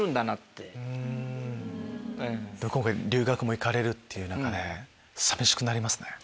今回留学も行かれるっていう寂しくなりますね。